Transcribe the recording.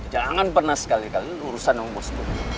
kejangan pernah sekali kali lo urusan sama bos lo